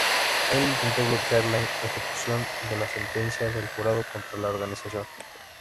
Él intentó bloquear la ejecución de la sentencia del jurado contra la organización.